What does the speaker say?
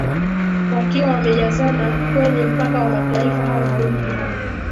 wakiwa wamejazana kwenye mpaka wa mataifa hayo mawili jirani